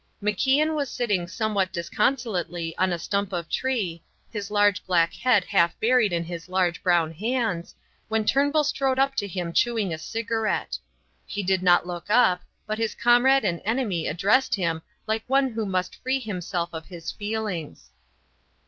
MacIan was sitting somewhat disconsolately on a stump of tree, his large black head half buried in his large brown hands, when Turnbull strode up to him chewing a cigarette. He did not look up, but his comrade and enemy addressed him like one who must free himself of his feelings.